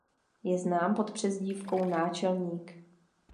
Je znám pod přezdívkou "Náčelník".